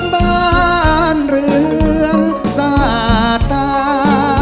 บ้านเหลืองศาตา